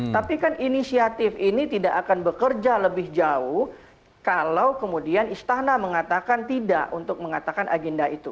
tapi kan inisiatif ini tidak akan bekerja lebih jauh kalau kemudian istana mengatakan tidak untuk mengatakan agenda itu